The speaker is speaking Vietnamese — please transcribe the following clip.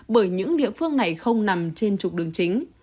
bởi những địa phương này không nằm trên trục đường chính